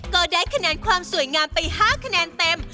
ก็ได้คะแนนความสวยงามไป๕คะแนนเต็ม